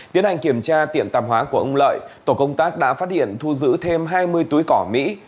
tiến hành kiểm tra tiệm tạp hóa của ông lợi tổ công tác đã phát hiện thu giữ thêm hai mươi túi cỏ mỹ